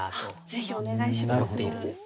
ぜひ、お願いします。